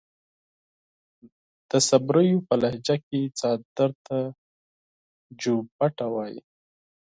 د صبريو پۀ لهجه کې څادر ته جوبټه وايي.